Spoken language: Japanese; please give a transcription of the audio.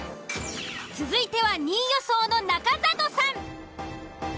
続いては２位予想の中里さん。